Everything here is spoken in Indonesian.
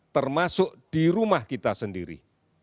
termasuk di rumah kita sendiri